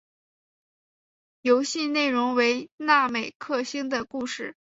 游戏内容为那美克星的故事。